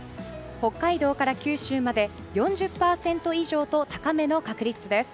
北海道から九州まで４０％以上と高めの確率です。